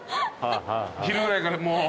昼ぐらいからもう。